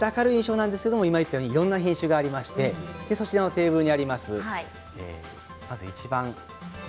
いろんな品種がありましてそちらのテーブルにあります。